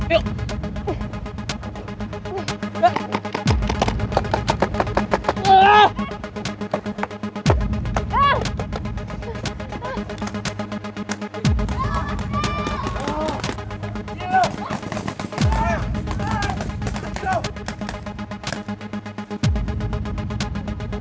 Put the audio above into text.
yuk yuk yuk